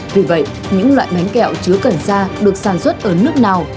vì vậy những loại bánh kẹo chứa cần sa được sản xuất ở nước nào